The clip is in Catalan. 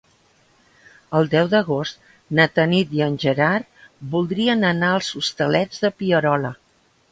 El deu d'agost na Tanit i en Gerard voldrien anar als Hostalets de Pierola.